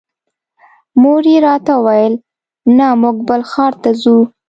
مور مې راته وویل نه موږ بل ښار ته ځو.